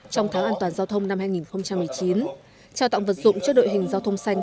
trong tháng an toàn giao thông năm hai nghìn một mươi chín trao tặng vật dụng cho đội hình giao thông xanh